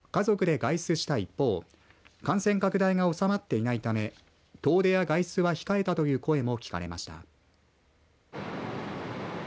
街の人たちからは家族で外出した一方、感染拡大が収まっていないため遠出や外出は控えたという声も聞かれました。